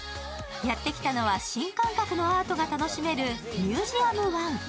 やってきたのは、新感覚のアートが楽しめるＭｕｓｅｕｍ